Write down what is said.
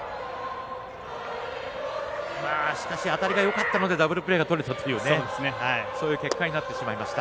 しかし、当たりがよかったのでダブルプレーがとれたというそういう結果になってしまいました。